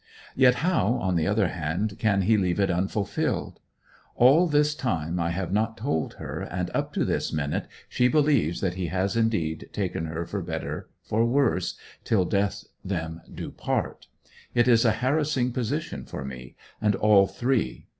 Yet how, on the other hand, can he leave it unfulfilled? All this time I have not told her, and up to this minute she believes that he has indeed taken her for better, for worse, till death them do part. It is a harassing position for me, and all three.